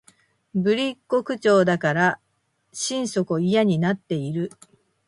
ぶりっ子口調だから心底嫌になっている